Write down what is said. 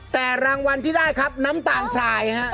แต่รางวัลที่ได้ครับน้ำตาลทรายฮะ